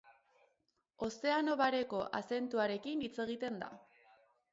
Ozeano Bareko azentuarekin hitz egiten da.